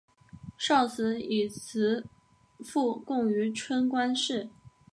少时以辞赋贡于春官氏。